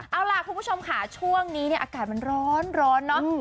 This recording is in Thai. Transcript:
เอาล่ะคุณผู้ชมค่ะช่วงนี้เนี่ยอากาศมันร้อนเนอะ